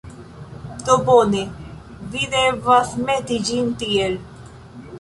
Do, bone, vi devas meti ĝin tiel.